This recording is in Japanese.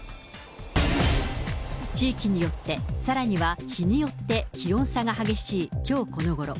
地域によって、さらには日によって、気温差が激しいきょうこのごろ。